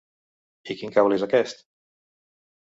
I quin cable és aquest?